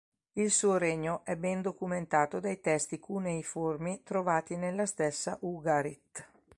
Il suo regno è ben documentato dai testi cuneiformi trovati nella stessa Ugarit.